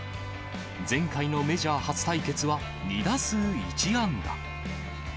前回のメジャー初対決は２打数１安打。